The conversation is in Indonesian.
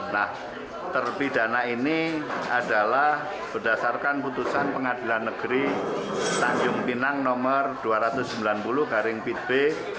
nah terpidana ini adalah berdasarkan putusan pengadilan negeri tanjung pinang nomor dua ratus sembilan puluh garing bidb